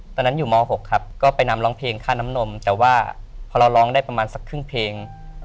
ตอนนั้นอยู่ม๖ครับก็ไปนำร้องเพลงค่าน้ำนมแต่ว่าพอเราร้องได้ประมาณสักครึ่งเพลง